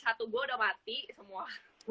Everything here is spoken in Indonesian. satu go udah mati semua